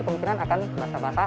kemungkinan akan masalah